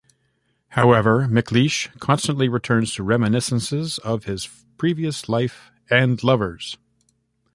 However, McLeish constantly returns to reminiscences of his previous life and lovers.